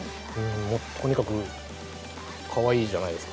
もうとにかく可愛いじゃないですか。